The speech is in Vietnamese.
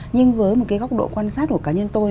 nhưng với một cái góc độ quan sát của cá nhân tôi